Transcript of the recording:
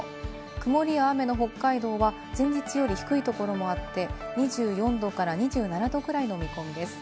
曇りや雨の北海道は前日より低いところもあって２４度から２７度ぐらいの見込みです。